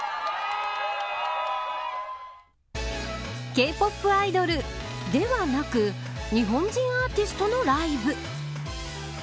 Ｋ‐ＰＯＰアイドルではなく日本人アーティストのライブ。